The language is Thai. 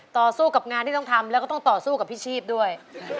ต่อสู้กับงานที่ต้องทำแล้วก็ต้องต่อสู้กับพี่ชีพด้วย